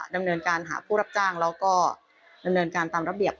ดำเนินการหาผู้รับจ้างและการตามธรรมดิกต่อไป